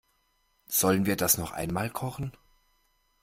Sollen wir das noch einmal kochen?